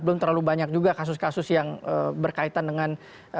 belum terlalu banyak juga kasus kasus yang berkaitan dengan